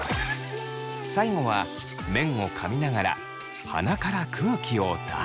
最後は麺をかみながら鼻から空気を出す。